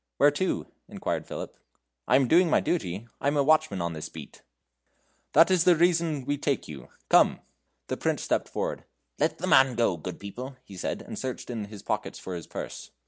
"Where to?" inquired Philip; "I am doing my duty. I am watchman of this beat." "That's the reason we take you. Come." The Prince stepped forward. "Let the man go, good people," he said, and searched in all his pockets for his purse.